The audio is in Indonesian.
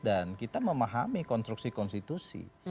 dan kita memahami konstruksi konstitusi